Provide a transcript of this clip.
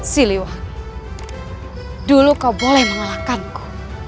siliwan dulu kau boleh mengalahkanku